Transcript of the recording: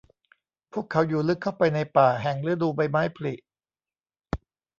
พวกเขาอยู่ลึกเข้าไปในป่าแห่งฤดูใบไม้ผลิ